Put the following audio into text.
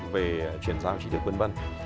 về chuyển giao trí tuyệt vân vân